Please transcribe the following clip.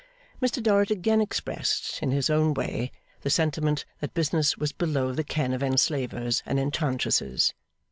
Mr Dorrit again expressed, in his own way, the sentiment that business was below the ken of enslavers and enchantresses.